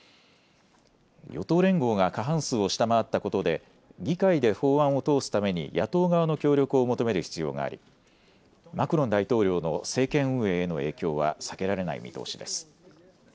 与党連合が過半数を下回ったことで、議会で法案を通すために野党側の協力を求める必要があり、マクロン大統領の政権運営への影響は避けられない見通しです。